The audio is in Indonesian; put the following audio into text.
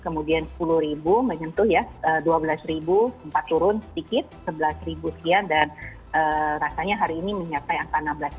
kemudian sepuluh menyentuh ya dua belas empat turun sedikit sebelas sekian dan rasanya hari ini menyatakan angka enam belas